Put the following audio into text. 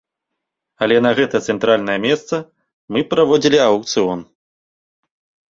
Але на гэта цэнтральнае месца, мы б праводзілі аўкцыён.